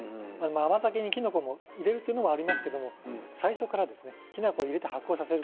甘酒にきな粉を入れるというのもありますけど、最初からきな粉を入れて発酵させる。